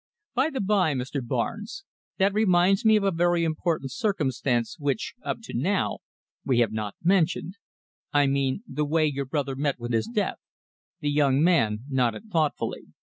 By the bye, Mr. Barnes, that reminds me of a very important circumstance which, up to now, we have not mentioned. I mean the way your brother met with his death." The young man nodded thoughtfully.